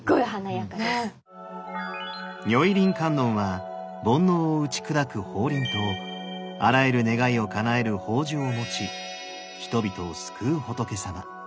如意輪観音は煩悩を打ち砕く法輪とあらゆる願いをかなえる宝珠を持ち人々を救う仏さま。